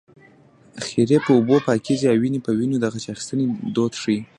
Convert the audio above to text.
خیرې په اوبو پاکېږي او وينې په وينو د غچ اخیستنې دود ښيي